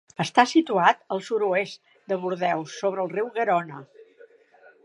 Està situat al Sud-oest de Bordeus, sobre el riu Garona.